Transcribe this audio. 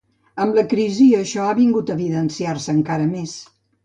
Amb la crisi això ha vingut a evidenciar-se encara més.